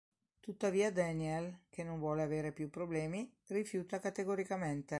Tuttavia Daniel, che non vuole avere più problemi, rifiuta categoricamente.